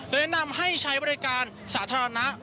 แนะนำให้ใช้บริการสาธารณะ